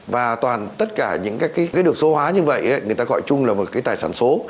và toàn tất cả những cái được số hóa như vậy người ta gọi chung là một cái tài sản số